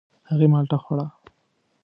هغې مالټه خوړه.